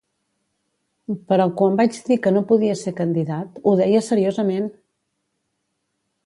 "... però quan vaig dir que no podia ser candidat, ho deia seriosament!".